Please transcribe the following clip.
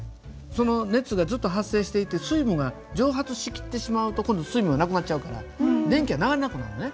その熱がずっと発生していて水分が蒸発しきってしまうと今度水分がなくなっちゃうから電気が流れなくなるのね。